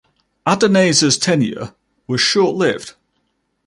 Adarnase's tenure was short-lived.